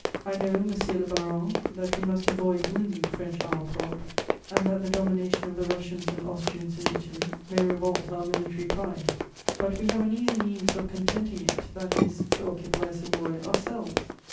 "I know, monsieur le baron, that we must avoid wounding French amour propre and that the domination of the Russians and Austrians in Italy may revolt our military pride; but we have an easy means of contenting it, that is, to occupy Savoy ourselves.